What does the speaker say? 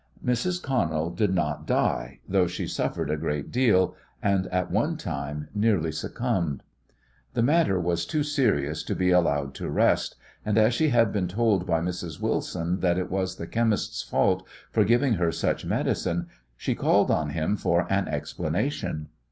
Mrs. Connell did not die, though she suffered a great deal, and at one time nearly succumbed. The matter was too serious to be allowed to rest, and, as she had been told by Mrs. Wilson that it was the chemist's fault for giving her such medicine, she called on him for an explanation.